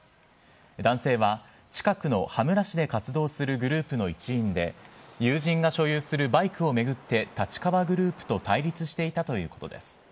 男性は、近くの羽村市で活動するグループの一員で、友人が所有するバイクを巡って、立川グループと対立していたということです。